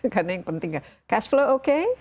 karena yang penting cash flow oke